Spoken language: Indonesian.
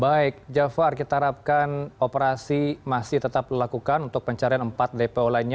baik jafar kita harapkan operasi masih tetap dilakukan untuk pencarian empat dpo lainnya